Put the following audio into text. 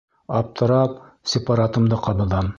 Аптырап, сепаратымды ҡабыҙам.